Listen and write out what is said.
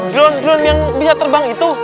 drone drone yang bisa terbang itu